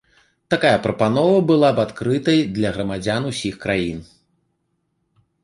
Такая прапанова была б адкрытай для грамадзян усіх краін.